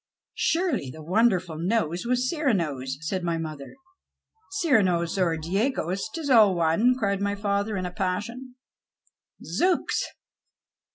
" Surely the wonderful nose was Cyrano's ?" said my mother. " Cyrano's or Diego's, 'tis all one," cried my father in a passion. " Zooks